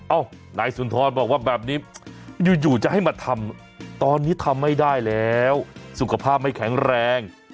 เอ้านายสุนทรบอกว่าแบบนี้อยู่จะให้มาทำตอนนี้ทำไม่ได้แล้วสุขภาพไม่แข็งแรง